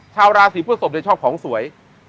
ชาวราศรีพุทธศพในช่องของสวย